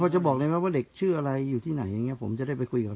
จะบอกได้ไหมว่าเด็กชื่ออะไรอยู่ที่ไหนอย่างนี้ผมจะได้ไปคุยกับ